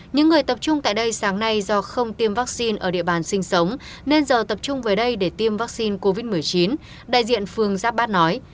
những người tập trung tại đây sáng nay do không tiêm vaccine ở địa bàn sinh sống nên giờ tập trung về đây để tiêm vaccine covid một mươi chín đại diện phường giáp bát nói